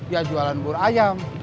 ya jualan bur ayam